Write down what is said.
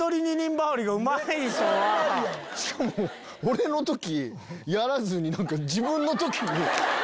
しかも俺の時やらずに。